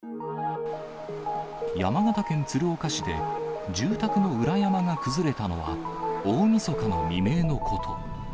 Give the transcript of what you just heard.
山形県鶴岡市で住宅の裏山が崩れたのは、大みそかの未明のこと。